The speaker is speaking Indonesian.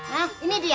hah ini dia